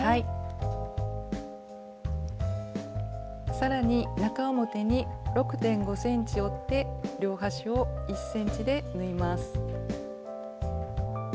さらに中表に６．５ｃｍ折って両端を１ｃｍで縫います。